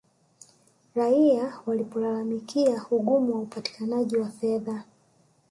raia walipolalamikia ugumu wa upatikanaji wa fedha